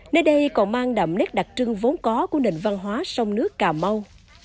nơi đây còn mang đậm nét đặc trưng vốn có của nền văn hóa sông nước cà mau